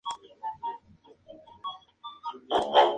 Logan le dijo que no quería y entonces serían novios.